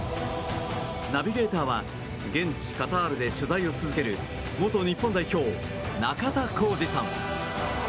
ナビゲーターは現地カタールで取材を続ける元日本代表、中田浩二さん。